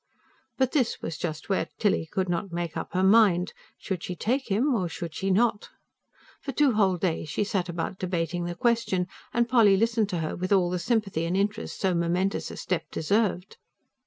But this was just where Tilly could not make up her mind: should she take him, or should she not? For two whole days she sat about debating the question; and Polly listened to her with all the sympathy and interest so momentous a step deserved.